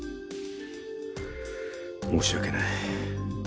申し訳ない。